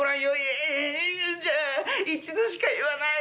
「ええじゃあ一度しか言わないよ」。